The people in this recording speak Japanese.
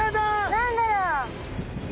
何だろう？